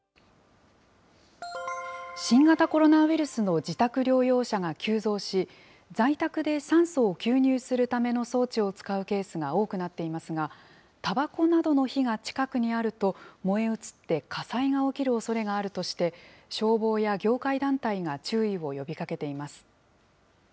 新型コロナウイルスの自宅療養者が急増し、在宅で酸素を吸入するための装置を使うケースが多くなっていますが、たばこなどの火が近くにあると、燃え移って火災が起きるおそれがあるとして、消防や業界団体が注意を呼びかけています。